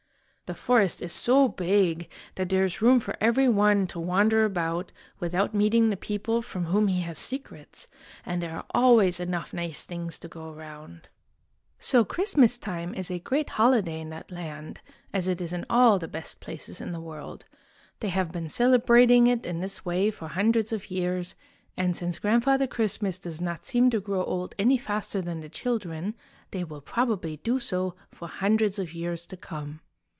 The forest is so big that there is room for every one to wander about without meeting the people from whom he has secrets, and there are always enough nice things to go around. So Christmas time is a great holiday in that land, as it is in all the best places in the world. They 140 IN THE GREAT WALLED COUNTRY have been celebrating it in this way for hundreds of years, and since Grandfather Christmas does not seem to grow old any faster than the children, they will probably do so for hundreds of years to come.